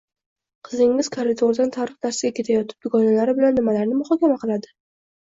Qizingiz koridordan tarix darsiga ketayotib dugonalari bilan nimalarni muhokama qiladi.